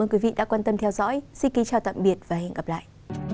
quý vị đã quan tâm theo dõi xin kính chào tạm biệt và hẹn gặp lại